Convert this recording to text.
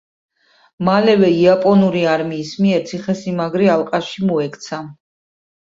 მალევე, იაპონური არმიის მიერ ციხესიმაგრე ალყაში მოექცა.